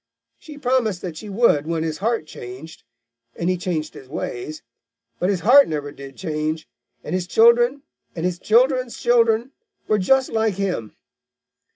She promised that she would when his heart changed, and he changed his ways. But his heart never did change, and his children and his children's children were just like him.